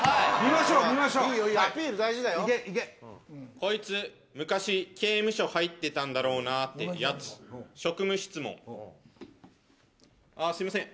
こいつ昔刑務所入ってたんだろうなってやつ職務質問あっすみません